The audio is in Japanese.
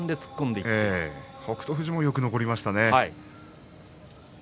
富士もよく残りましたね。